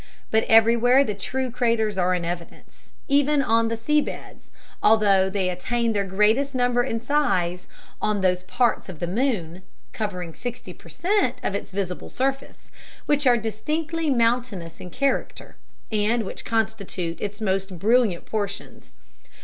But everywhere the true craters are in evidence, even on the sea beds, although they attain their greatest number and size on those parts of the moon—covering sixty per cent of its visible surface—which are distinctly mountainous in character and which constitute its most brilliant portions.